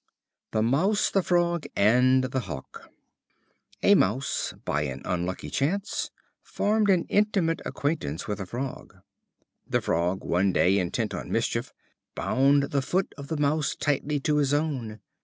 The Mouse, the Frog, and the Hawk. A Mouse, by an unlucky chance, formed an intimate acquaintance with a Frog. The Frog one day, intent on mischief, bound the foot of the Mouse tightly to his own.